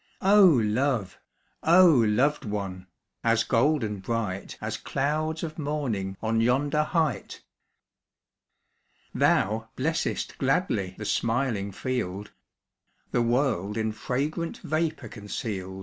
Oh love! oh loved one! As golden bright, As clouds of morning On yonder height! Thou blessest gladly The smiling field, The world in fragrant Vapour conceal'd.